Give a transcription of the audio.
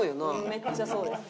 めっちゃそうです。